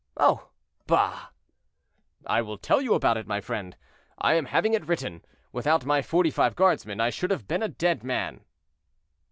"Oh! bah!" "I will tell you about it, my friend; I am having it written. Without my Forty five guardsmen I should have been a dead man."